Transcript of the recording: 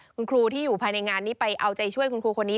คุณครูที่อยู่ภายในงานนี้ไปเอาใจช่วยคุณครูคนนี้